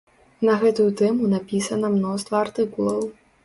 На гэтую тэму напісана мноства артыкулаў.